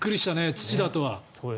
土だとは。